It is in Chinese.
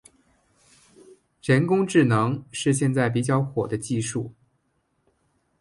人工智能是现在比较火的技术。